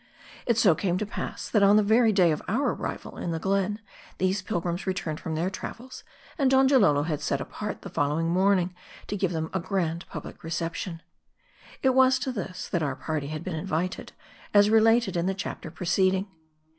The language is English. It so came to pass, that oh the very day of our arrival in the glen, these pilgrims returned from their travels. And Donjalolo had set apart the following morning to giving them a grand public reception. And it was to this, that our party had been invited, as related in the chapter preced ing.